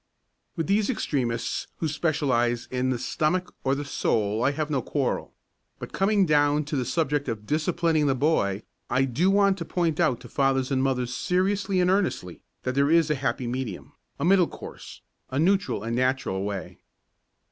With these extremists who specialise in the stomach or in the soul I have no quarrel; but coming down to the subject of disciplining the boy I do want to point out to fathers and mothers seriously and earnestly that there is a happy medium, a middle course a neutral and natural way.